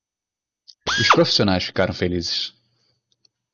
Os profissionais ficaram felizes.